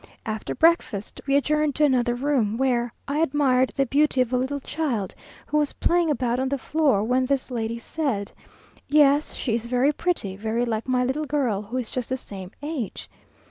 After breakfast we adjourned to another room, where I admired the beauty of a little child who was playing about on the floor, when this lady said, "Yes, she is very pretty very like my little girl, who is just the same age."